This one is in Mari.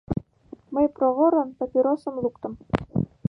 Мый проворын папиросым луктым.